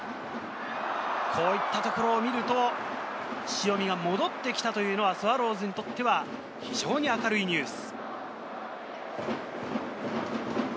こういったところを見ると、塩見が戻ってきたというのはスワローズにとっては非常に明るいニュース。